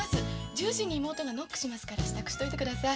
１０時に妹がノックしますから支度しといて下さい。